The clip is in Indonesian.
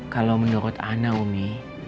kalau menurut ana umi